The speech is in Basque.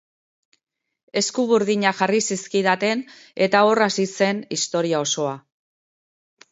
Eskuburdinak jarri zizkidaten eta hor hasi zen historia osoa.